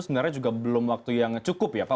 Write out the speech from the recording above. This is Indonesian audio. sebenarnya juga belum waktu yang cukup ya pak